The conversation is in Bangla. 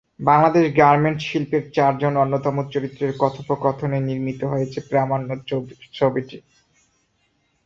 বাংলাদেশ গার্মেন্টস শিল্পের চারজন অন্যতম চরিত্রের কথোপকথনে নির্মিত হয়েছে প্রামাণ্য ছবিটি।